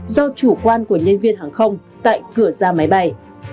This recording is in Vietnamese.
do chủ quan của nhân viên hàng không tại cửa ra máy bay